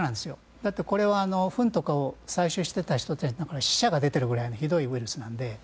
だって、これはフンとかを採取していた人たちから死者が出ているくらいのひどいウイルスなので。